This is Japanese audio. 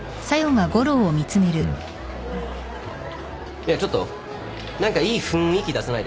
いやちょっと何かいい雰囲気出さないで。